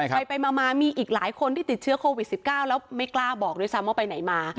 ไปมามีอีกหลายคนที่ติดเชื้อโควิด๑๙แล้วไม่กล้าบอกด้วยซ้ำว่าไปไหนมา